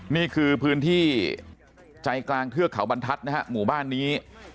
นี่คือพื้นที่ใจกลางเทือกเขาบรรทัศน์นะฮะหมู่บ้านนี้